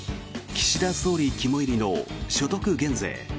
岸田総理肝煎りの所得減税。